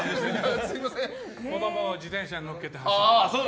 子供を自転車に乗っけてる。